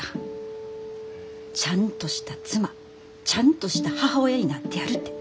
ちゃんとした妻ちゃんとした母親になってやるて。